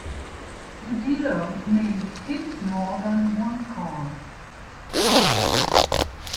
The dealer may hit more than one card.